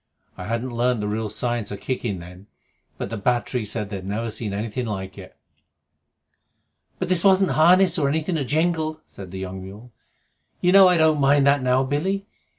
I hadn't learned the real science of kicking then, but the battery said they had never seen anything like it." "But this wasn't harness or anything that jingled," said the young mule. "You know I don't mind that now, Billy.